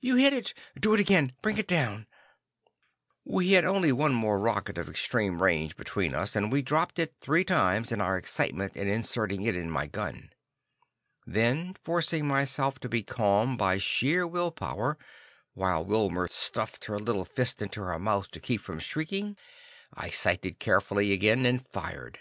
You hit it! Do it again; bring it down!" We had only one more rocket of extreme range between us, and we dropped it three times in our excitement in inserting it in my gun. Then, forcing myself to be calm by sheer will power, while Wilma stuffed her little fist into her mouth to keep from shrieking, I sighted carefully again and fired.